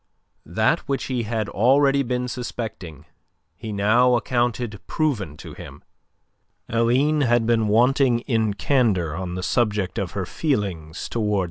That which he had already been suspecting, he now accounted proven to him. Aline had been wanting in candour on the subject of her feelings towards M.